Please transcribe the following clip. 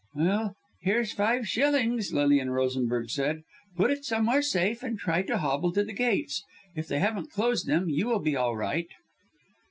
"Well! here's five shillings," Lilian Rosenberg said, "put it somewhere safe and try and hobble to the gates. If they haven't closed them, you will be all right."